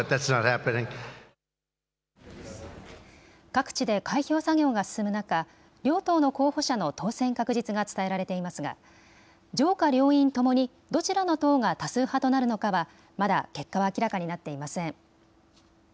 各地で開票作業が進む中、両党の候補者の当選確実が伝えられていますが、上下両院ともにどちらの党が多数派となるのかは、まだ結果は明らかになっていません。